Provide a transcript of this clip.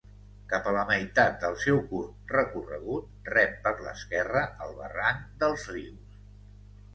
Cap a la meitat del seu curt recorregut rep per l'esquerra el barranc dels Rius.